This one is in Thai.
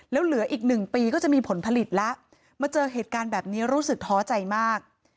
แล้วเหลืออีกหนึ่งปีก็จะมีผลผลิตแล้วมาเจอเหตุการณ์แบบนี้รู้สึกท้อใจมาก